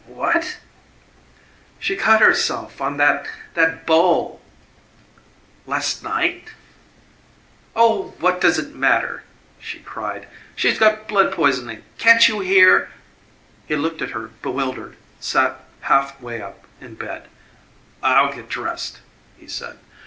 "What?" "She cut herself on that that bowl." "Last night?" "Oh, what does it matter?" see cried; "she's got blood poisoning. Can't you hear?" He looked at her bewildered sat half way up in bed. "I'll get dressed," he said.